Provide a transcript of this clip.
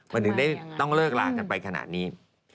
มันถึงได้ต้องเลิกลากันไปขนาดนี้